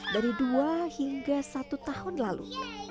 dari dua hingga satu tahun lalu